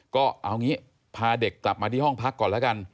ก็เอางี้พาเด็กต่อมาห้องพักก่อนละกัน